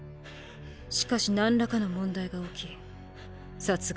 しかし何らかの問題が起き殺害に至った。